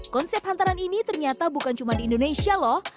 konsep hantaran ini ternyata bukan cuma di indonesia loh